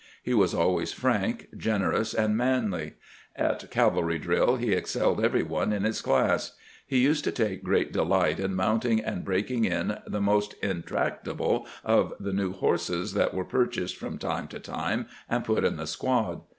He was always frank, generous, and manly. At cavalry driU he excelled every one in his class. He used to take great delight in mounting and breaking in the most in tractable of the new horses that were purchased from time to time and put in the squad.